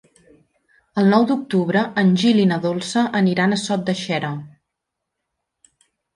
El nou d'octubre en Gil i na Dolça aniran a Sot de Xera.